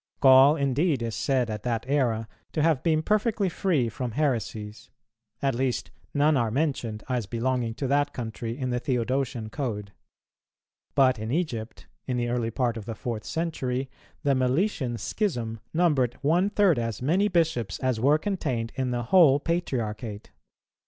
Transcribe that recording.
Gaul indeed is said at that era to have been perfectly free from heresies; at least none are mentioned as belonging to that country in the Theodosian Code. But in Egypt, in the early part of the fourth century, the Meletian schism numbered one third as many bishops as were contained in the whole Patriarchate.